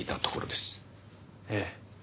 ええ。